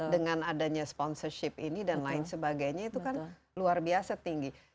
dengan adanya sponsorship ini dan lain sebagainya itu kan luar biasa tinggi